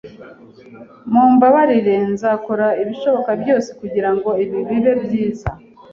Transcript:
Mumbabarire. Nzakora ibishoboka byose kugirango ibi bibe byiza.